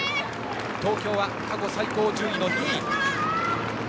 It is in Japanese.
東京は過去最高順位の２位。